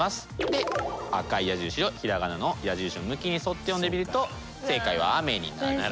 で赤い矢印を平仮名の矢印の向きに沿って読んでみると正解は「雨」になります。